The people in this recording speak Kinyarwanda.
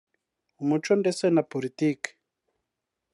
umuco ndetse na politiki